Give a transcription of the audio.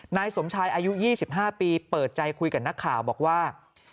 นายสมชายอายุ๒๕ปีเปิดใจคุยกับนักข่าวบอกว่า